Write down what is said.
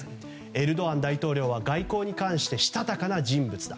エルドアン大統領は外交に関してしたたかな人物だ。